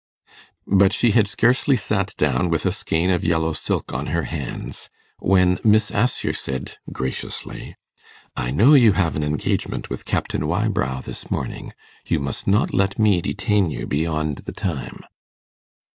But she had scarcely sat down with a skein of yellow silk on her hands, when Miss Assher said, graciously, 'I know you have an engagement with Captain Wybrow this morning. You must not let me detain you beyond the time.